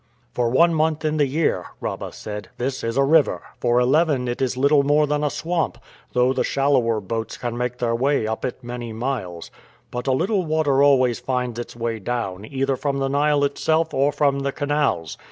"For one month in the year," Rabah said, "this is a river, for eleven it is little more than a swamp, though the shallower boats can make their way up it many miles. But a little water always finds its way down, either from the Nile itself or from the canals.